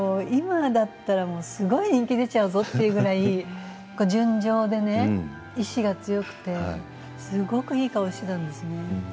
今だったらすごい見切れちゃうぞというくらい純情でね意思が強くてすごくいい顔していたんですね。